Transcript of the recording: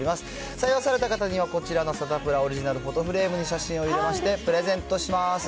採用された方には、こちらのサタプラオリジナルフォトフレームに写真を入れましてプレゼントします。